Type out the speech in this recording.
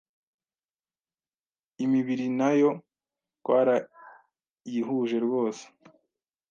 Imibiri nayo twarayihuje rwose